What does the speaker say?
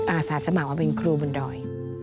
อาสาสมัครมาเป็นครูบนดอย